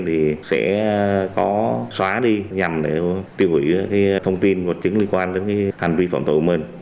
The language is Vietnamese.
thì sẽ có xóa đi nhằm tiêu hủy thông tin hoạt chứng liên quan đến hành vi phòng tổ của mình